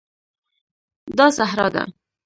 دا صحرا ده